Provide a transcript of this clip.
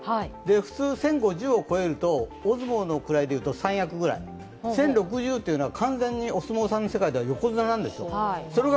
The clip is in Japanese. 普通、１０４０を超えると、大相撲の世界でいうと３役ぐらい、１０６０というのは完全にお相撲さんの世界でいうと横綱なんですよ。